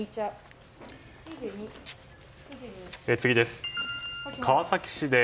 次です。